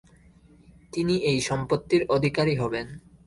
তিনি এই সম্পত্তির অধিকারী হবেন।